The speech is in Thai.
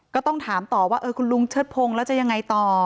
ก็ต้องถามต่อว่าคุณลุงเชิดพงศ์แล้วจะยังไงต่อ